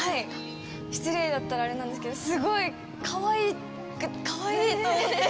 失礼だったらあれなんですけど、すごいかわいい、かわいいと思って。